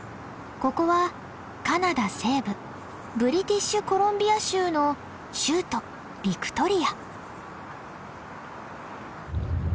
ここはカナダ西部ブリティッシュコロンビア州の州都ビクトリア。